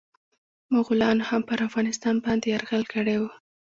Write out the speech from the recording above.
مغولانو هم پرافغانستان باندي يرغل کړی و.